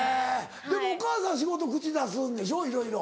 でもお母さん仕事口出すんでしょいろいろ。